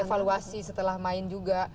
evaluasi setelah main juga